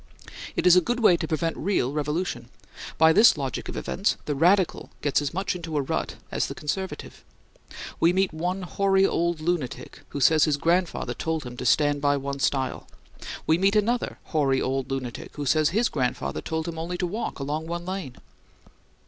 It is a good way to prevent real revolution. By this logic of events, the Radical gets as much into a rut as the Conservative. We meet one hoary old lunatic who says his grandfather told him to stand by one stile. We meet another hoary old lunatic who says his grandfather told him only to walk along one lane.